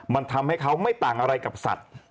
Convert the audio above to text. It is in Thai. มันทำให้เขาไม่ต่างอะไรกับสัตว์